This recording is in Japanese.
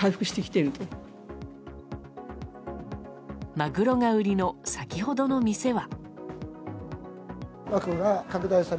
マグロが売りの先ほどの店は。